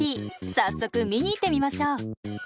早速見に行ってみましょう。